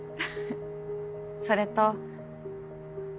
それと。